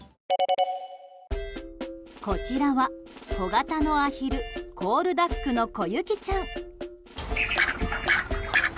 こちらは、小型のアヒルコールダックのこゆきちゃん。